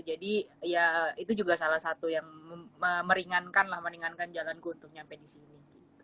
jadi ya itu juga salah satu yang meringankan lah jalan ku untuk nyampe disini